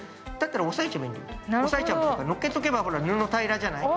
押さえちゃうというか載っけとけばほら布平らじゃない？